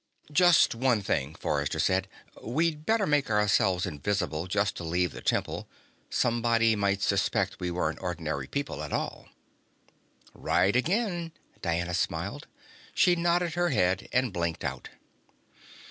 "Just one thing," Forrester said. "We'd better make ourselves invisible just to leave the Temple. Somebody might suspect we weren't ordinary people at all." "Right again," Diana smiled. She nodded her head and blinked out.